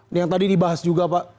ini yang tadi dibahas juga pak